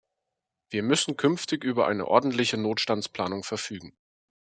Wir müssen künftig über eine ordentliche Notstandsplanung verfügen.